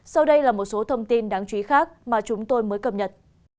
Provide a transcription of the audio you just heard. sau đây là một số thông tin đáng chú ý khác mà chúng tôi mới cập nhật